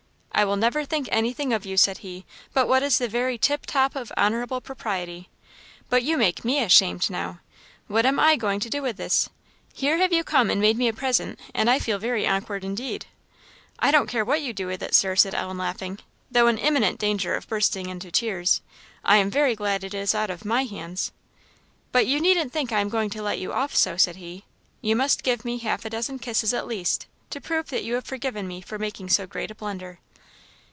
"I will never think anything of you," said he, "but what is the very tip top of honourable propriety. But you make me ashamed now what am I going to do with this? here have you come and made me a present, and I feel very awkward indeed." "I don't care what you do with it, Sir," said Ellen, laughing, though in imminent danger of bursting into tears! "I am very glad it is out of my hands." "But you needn't think I am going to let you off so," said he "you must give me half a dozen kisses at least, to prove that you have forgiven me for making so great a blunder."